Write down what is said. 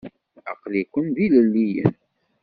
Aql-iken d ilelliyen?